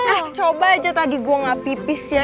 ah coba aja tadi gue gak pipis ya